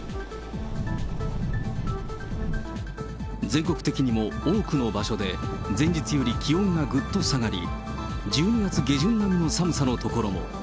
全国的にも多くの場所で前日より気温がぐっと下がり、１２月下旬並みの寒さの所も。